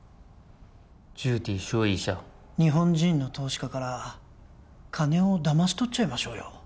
日本人の投資家から金をだましとっちゃいましょうよ